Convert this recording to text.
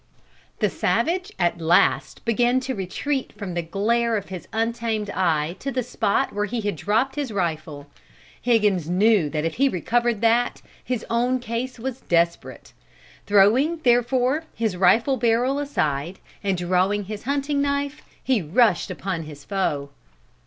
"The savage at last began to retreat from the glare of his untamed eye to the spot where he had dropped his rifle. Higgins knew that if he recovered that, his own case was desperate. Throwing, therefore, his rifle barrel aside, and drawing his hunting knife he rushed upon his foe.